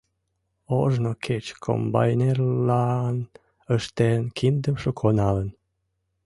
Ожно кеч комбайнерлан ыштен, киндым шуко налын.